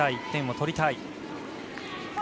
１点を取りたい。